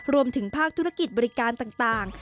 รวมถึงภาคธุรกิจบริการต่าง